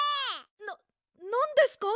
なんですか？